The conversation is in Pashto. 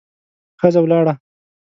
ښځه ولاړه.